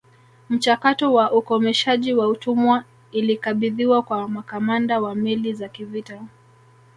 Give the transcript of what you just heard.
Mchakato wa ukomeshaji wa utumwa ilikabidhiwa kwa makamanda wa meli za kivita